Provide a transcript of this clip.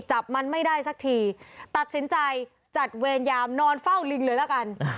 จับมันไม่ได้สักทีตัดสินใจจัดเวรยามนอนเฝ้าลิงเลยละกัน